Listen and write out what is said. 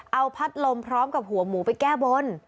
เอาพัดลมพร้อมกับหัวหมูไปแก้บน